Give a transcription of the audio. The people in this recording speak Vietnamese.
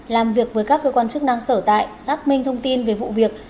làm việc với các cơ quan chức năng sở tại xác minh thông tin về vụ việc